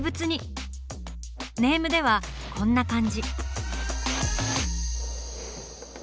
ネームではこんな感じ。